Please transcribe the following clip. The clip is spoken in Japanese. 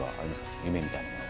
夢みたいなのは。